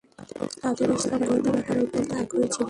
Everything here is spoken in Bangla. তাদের ইসলাম গ্রহণের ব্যাপারে অত্যন্ত আগ্রহী ছিলেন।